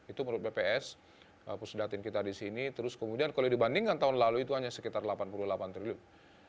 itu menurut bps pusudatin kita di sini terus kemudian kalau dibandingkan tahun lalu itu hanya sekitar delapan puluh delapan triliun